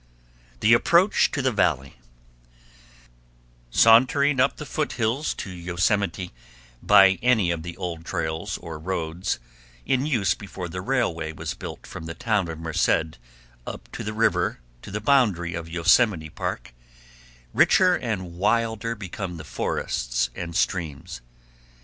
The Approach To The Valley Sauntering up the foothills to Yosemite by any of the old trails or roads in use before the railway was built from the town of Merced up the river to the boundary of Yosemite Park, richer and wilder become the forests and streams.